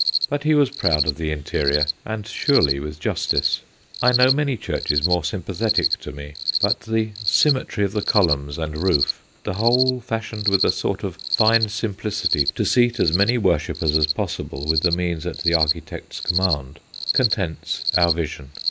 But he was proud of the interior, and surely with justice. I know many churches more sympathetic to me, but the symmetry of the columns and roof, the whole fashioned with a sort of fine simplicity to seat as many worshippers as ST. JAMES'S CHURCH 271 possible with the means at the architect's command, contents our vision.